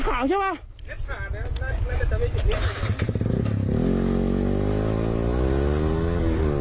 เกลียดกินเข้ามา